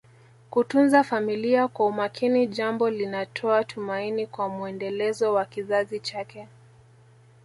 Kutunza familia kwa umakini jambo linatoa tumaini kwa mwendelezo wa kizazi chake